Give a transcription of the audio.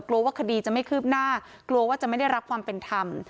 กลัวว่าคดีจะไม่คืบหน้ากลัวว่าจะไม่ได้รับความเป็นธรรม